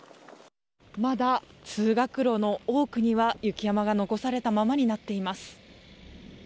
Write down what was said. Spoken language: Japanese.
まだ通学路の多くには雪山が残されたままになっています。